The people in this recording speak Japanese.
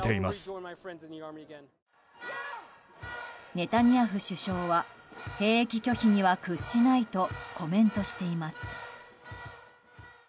ネタニヤフ首相は兵役拒否には屈しないとコメントしています。